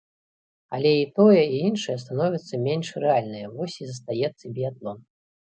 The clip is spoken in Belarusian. Але і тое, і іншае становіцца менш рэальнае, вось і застаецца біятлон.